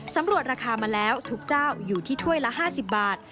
สำรวจราคามาแล้วทุกเจ้าอยู่ที่ถ้วยละ๕๐บาท